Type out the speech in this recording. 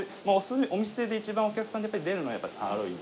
お店で一番お客さんにやっぱり出るのはサーロイン。